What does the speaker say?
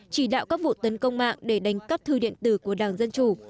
chỉ đạo các vụ tấn công mạng để đánh cắp thư điện tử của đảng dân chủ